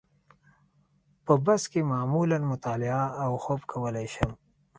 په بس کې معمولاً مطالعه او خوب کولای شم.